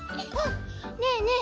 ねえねえ